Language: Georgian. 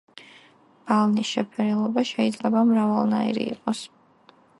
ბალნის შეფერილობა შეიძლება მრავალნაირი იყოს.